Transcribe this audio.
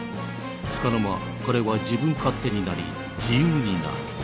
つかの間彼は自分勝手になり自由になる。